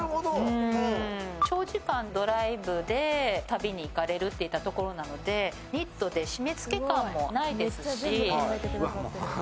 長時間ドライブで旅に行かれるといったところなので、ニットで締め付け感もないですし。